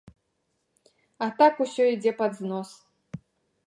А так усё ідзе пад знос.